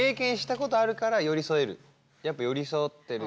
やっぱ寄り添ってる。